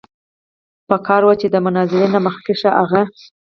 پکار وه چې د مناظرې نه مخکښې هغه